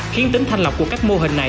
khiến tính thanh lọc của các mô hình này